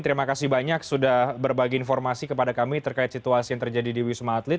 terima kasih banyak sudah berbagi informasi kepada kami terkait situasi yang terjadi di wisma atlet